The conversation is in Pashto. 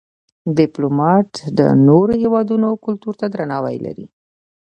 ډيپلومات د نورو هېوادونو کلتور ته درناوی لري.